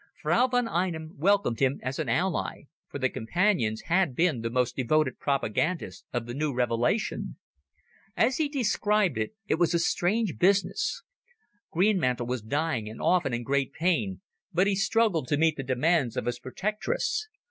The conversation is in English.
Frau von Einem welcomed him as an ally, for the Companions had been the most devoted propagandists of the new revelation. As he described it, it was a strange business. Greenmantle was dying and often in great pain, but he struggled to meet the demands of his protectress.